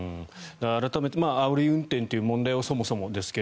改めてあおり運転という問題がそもそもですが、